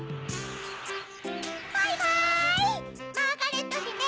バイバイマーガレットひめ。